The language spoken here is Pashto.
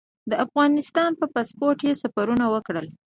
د افغانستان په پاسپورټ یې سفرونه وکړل.